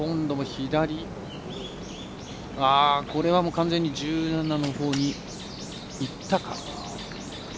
完全に１７のほうにいったか。